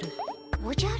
おじゃる？